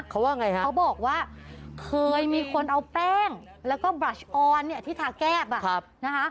เขาบอกว่าเคยมีคนเอาแป้งแล้วก็บราชออนที่ทาแก้บ